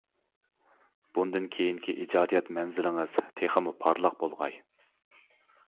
بۇندىن كېيىنكى ئىجادىيەت مەنزىلىڭىز تېخىمۇ پارلاق بولغاي!